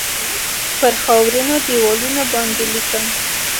پر خاورینو دیوالونو باندې لیکم